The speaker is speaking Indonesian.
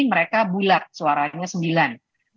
mereka bulat suaranya sembilan